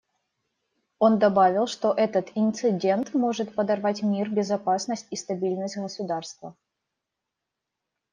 Он добавил, что этот инцидент может подорвать мир, безопасность и стабильность государства.